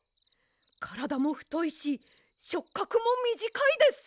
からだもふといししょっかくもみじかいです。